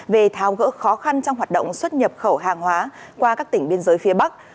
về tháo gỡ khó khăn trong hoạt động xuất nhập khẩu hàng hóa qua các tỉnh biên giới phía bắc